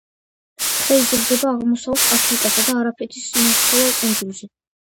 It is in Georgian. ხე იზრდება აღმოსავლეთ აფრიკასა და არაბეთის ნახევარკუნძულზე.